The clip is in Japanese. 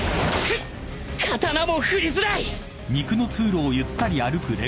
刀も振りづらい！